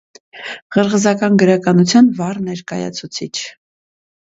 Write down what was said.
Ղրղզական գրականության վառ ներկայացուցիչ։